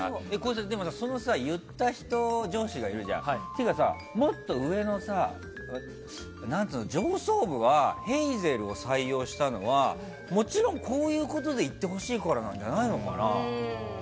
でもその言った上司がいるじゃんもっと上の上層部はヘイゼルを採用したのはもちろん、こういうことで行ってほしいからじゃないのかな。